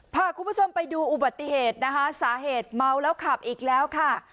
พาคุณผู้ชมไปดูอุบัติเหตุนะคะสาเหตุเมาแล้วขับอีกแล้วค่ะ